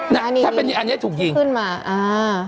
น่ะถ้าเป็นอันนี้ถูกยิงขึ้นมาอ่า